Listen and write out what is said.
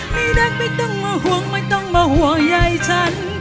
ไม่รักไม่ต้องมาห่วงไม่ต้องมาห่วงใยฉัน